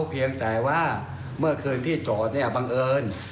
เพียงแต่ว่าเมื่อคืนที่จอดเนี่ยบังเอิญ